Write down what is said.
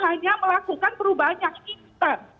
hanya melakukan perubahan yang instant